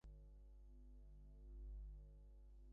তার আহারের আয়োজন পুরানো অভ্যাসমতই।